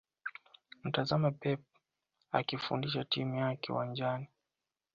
mtazame Pep akifundisha timu yake uwanjani